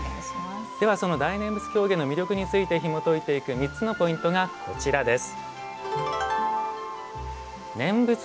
ではその大念仏狂言の魅力についてひもといていく３つのポイントがこちらです。